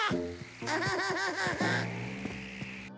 アハハハ。